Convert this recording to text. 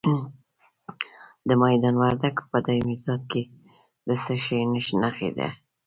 د میدان وردګو په دایمیرداد کې د څه شي نښې دي؟